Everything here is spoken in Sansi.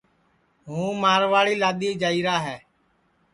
ہُوں مارواڑی لادؔی جائیرا ہے